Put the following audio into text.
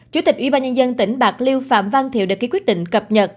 chủ tịch ubnd tỉnh bạc liêu phạm văn thiệu đã ký quyết định cập nhật